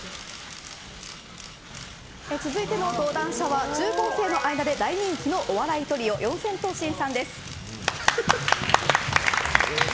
続いての登壇者は中高生の間で大人気のお笑いトリオ、四千頭身さんです。